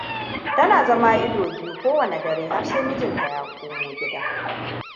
Tana zama ido biyu, kowanne dare har sai mijinta ya komo gida.